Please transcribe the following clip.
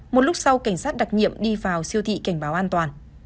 một lúc sau cảnh sát đặc nhiệm đi vào siêu thị cảnh báo an toàn